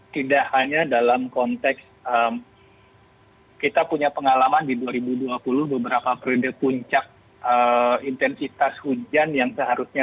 tidak hanya dalam konteks kita punya pengalaman di dua ribu dua puluh beberapa periode puncak intensitas hujan yang seharusnya